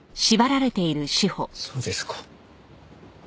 そうですか。